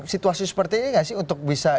situasi seperti ini nggak sih untuk bisa